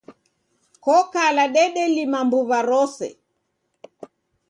Kokala dedelima mbuw'a rose